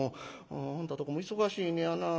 あんたとこも忙しいのやなあ。